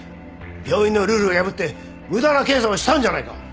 病院のルールを破って無駄な検査をしたんじゃないか！